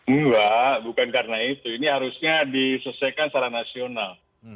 enggak bukan karena itu ini harusnya diselesaikan secara nasional